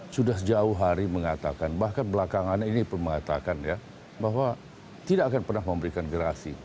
sudah sejauh hari mengatakan bahwa tidak akan pernah memberikan gerasi